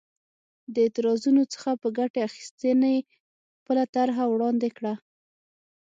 د اعتراضونو څخه په ګټې اخیستنې خپله طرحه وړاندې کړه.